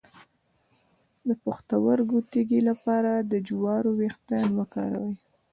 د پښتورګو تیږې لپاره د جوارو ویښتان وکاروئ